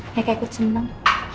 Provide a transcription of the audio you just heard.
meka ikut senang